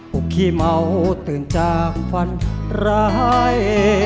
ปุ๊กขี้เมาตื่นจากฟันร้าย